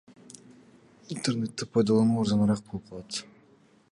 Интернетти пайдалануу арзаныраак болуп калат.